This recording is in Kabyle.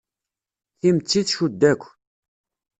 Timetti tcudd akk.